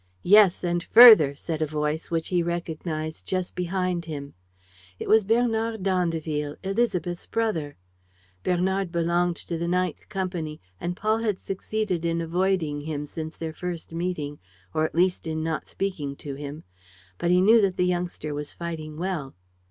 "Yes; and further," said a voice which he recognized, just behind him. It was Bernard d'Andeville, Élisabeth's brother. Bernard belonged to the 9th company; and Paul had succeeded in avoiding him, since their first meeting, or at least in not speaking to him. But he knew that the youngster was fighting well.